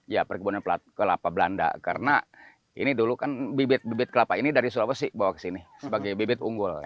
ya perkebunan kelapa belanda karena ini dulu kan bibit bibit kelapa ini dari sulawesi bawa ke sini sebagai bibit unggul